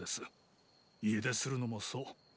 家出するのもそう。